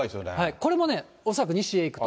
これもね、恐らく西へ行くと。